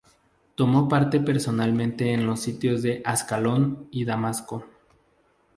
Tomó parte personalmente en los sitios de Ascalón y Damasco.